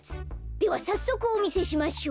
ではさっそくおみせしましょう。